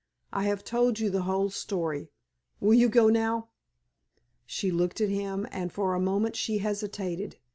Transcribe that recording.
I have told you the whole story. Will you go now?" She looked at him, and for a moment she hesitated.